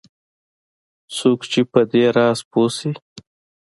څوک چې په دې راز پوه شي